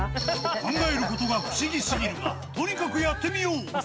考えることが不思議すぎるが、とにかくやってみよう。